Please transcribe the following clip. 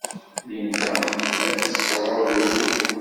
Linda ad d-tesɛu agrud.